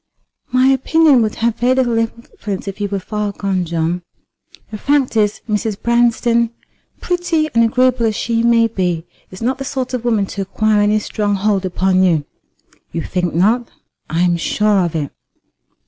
"My opinion would have very little influence if you were far gone, John. The fact is, Mrs. Branston, pretty and agreeable as she may be, is not the sort of woman to acquire any strong hold upon you." "You think not?" "I am sure of it."